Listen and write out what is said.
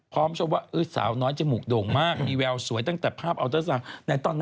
เผอดีเลยเนาะ